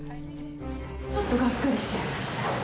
ちょっとがっかりしちゃいました。